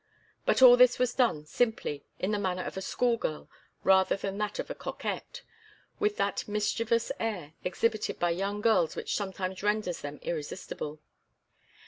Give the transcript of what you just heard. But all this was done simply, in the manner of a schoolgirl rather than in that of a coquette, with that mischievous air exhibited by young girls which sometimes renders them irresistible.